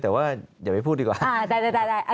แต่ว่าอย่าไปพูดดีกว่า